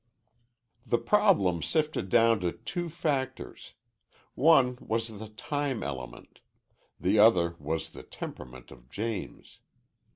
The problem sifted down to two factors. One was the time element. The other was the temperament of James.